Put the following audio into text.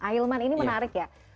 hilman ini menarik ya